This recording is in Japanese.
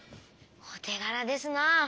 おてがらですな。